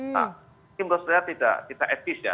nah ini menurut saya tidak etis ya